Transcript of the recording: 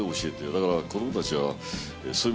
だから、子どもたちは、そういう